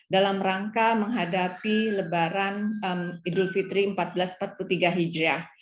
dalam rangka menghadapi lebaran idul fitri seribu empat ratus empat puluh tiga hijriah